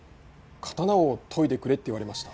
刀を研いでくれって言われました。